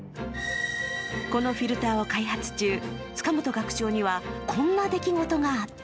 このフィルターを開発中、塚元学長には、こんな出来事があった。